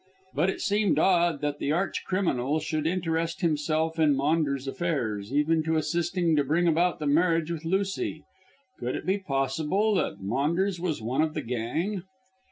But it seemed odd that the arch criminal should interest himself in Maunders' affairs, even to assisting to bring about the marriage with Lucy. Could it be possible that Maunders was one of the gang?